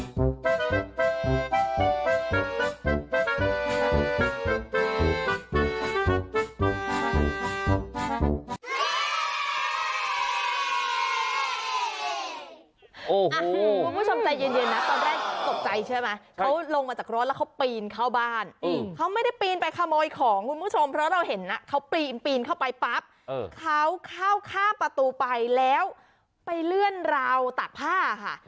เพราะเราเห็นนะเขาปีนปีนเข้าไปปั๊บเขาเข้าข้ามประตูไปแล้วไปเลื่อนราวตากผ้าค่ะ